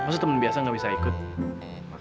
masa teman biasa enggak bisa ikut